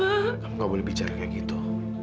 aku gak boleh bicara kayak gitu